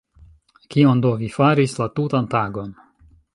Kion do vi faris la tutan tagon?